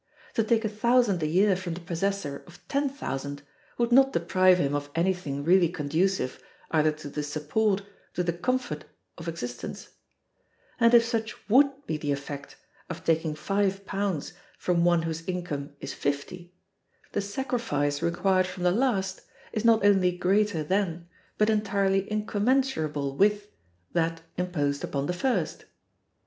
To take a thousand a year from the possessor of ten thousand would not deprive him of anything really conducive either to the support or to the comfort of existence; and, if such would be the effect of taking five pounds from one whose income is fifty, the sacrifice required from the last is not only greater than, but entirely incommensurable with, that imposed upon the first.